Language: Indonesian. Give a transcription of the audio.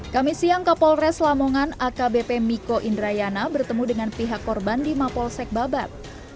kami siang kapolres lamongan akbp miko indrayana bertemu dengan pihak korban di mapolsek babat